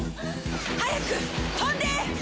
早く飛んで！